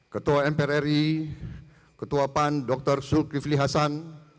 ketua mprri ketua pan dr sulkifli hasan